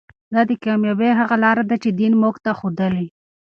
دا د کامیابۍ هغه لاره ده چې دین موږ ته ښودلې.